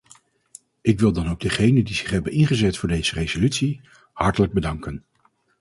Ik wil dan ook diegenen die zich hebben ingezet voor deze resolutie, hartelijk bedanken.